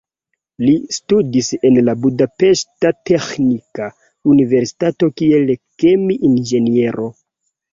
Li studis en la Budapeŝta Teĥnika Universitato kiel kemi-inĝeniero.